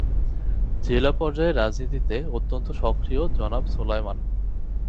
জেলা পর্যায়ে রাজনীতিতে অত্যন্ত সক্রিয় জনাব সোলায়মান।